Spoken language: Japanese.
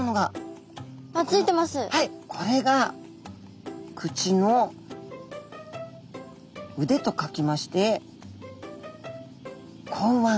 はいこれが口の腕と書きまして口腕。